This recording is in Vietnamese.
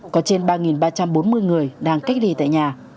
có trên ba ba trăm bốn mươi người đang cách ly tại nhà